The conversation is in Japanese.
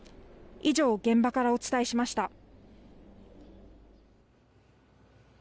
以上、現場からお伝えしました。